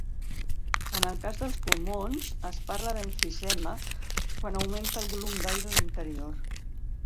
En el cas dels pulmons, es parla d'emfisema quan augmenta el volum d'aire a l'interior.